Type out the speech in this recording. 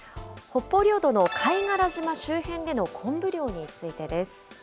北方領土の貝殻島周辺での昆布漁についてです。